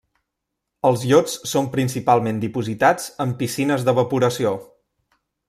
Els llots són principalment dipositats en piscines d’evaporació.